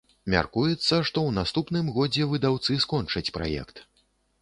Мяркуецца, што ў наступным годзе выдаўцы скончаць праект.